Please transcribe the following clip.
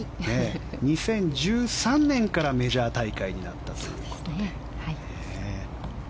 ２０１３年からメジャー大会になったということで。